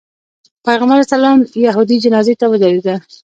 پیغمبر علیه السلام یهودي جنازې ته ودرېده.